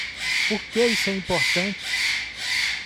Por que isso é importante?